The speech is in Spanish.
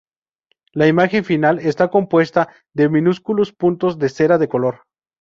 La imagen final está compuesta de minúsculos puntos de cera de color.